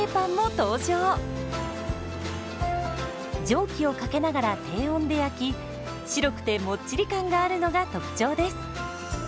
蒸気をかけながら低温で焼き白くてもっちり感があるのが特徴です。